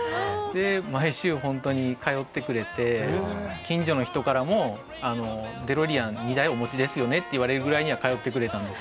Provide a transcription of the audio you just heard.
毎週ホントに通ってくれて近所の人からもデロリアン２台お持ちですよね？って言われるぐらいには通ってくれたんです。